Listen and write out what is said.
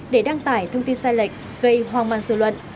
để đăng tải thông tin sai lệch gây hoang mang sự luận